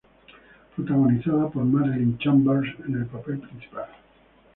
Protagonizada por Marilyn Chambers en el papel principal.